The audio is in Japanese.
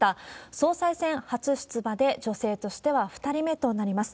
総裁選初出馬で、女性としては２人目となります。